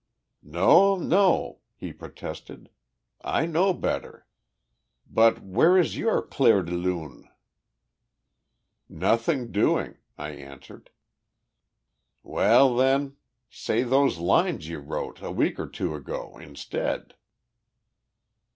"No, no," he protested; "I know better. But where is your clair de lune?" "Nothing doing," I answered. "Well, then, say those lines you wrote a week or two ago instead."